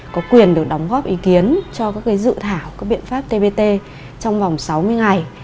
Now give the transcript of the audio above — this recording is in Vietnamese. có quyền được đóng góp ý kiến cho các dự thảo các biện pháp tbt trong vòng sáu mươi ngày